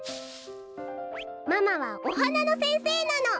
ママはおはなのせんせいなの。